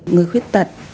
người khuyết tật